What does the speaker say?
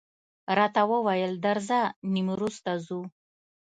راته وویل درځه نیمروز ته ځو.